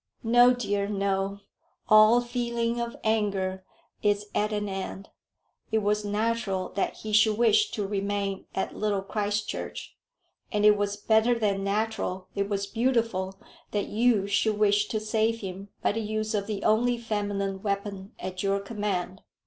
"No, dear, no; all feeling of anger is at an end. It was natural that he should wish to remain at Little Christchurch; and it was better than natural, it was beautiful, that you should wish to save him by the use of the only feminine weapon at your command."